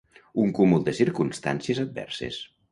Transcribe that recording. Un cúmul de circumstàncies adverses.